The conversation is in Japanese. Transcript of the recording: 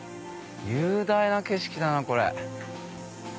雄大な景色だなこれ。